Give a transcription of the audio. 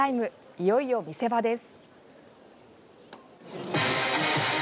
いよいよ見せ場です。